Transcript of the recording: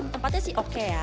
tempatnya sih oke ya